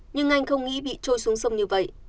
nhưng anh không nghĩ bị trôi xuống sông như vậy